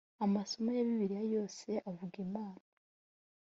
amasomo ya bibiliya yose avuga imana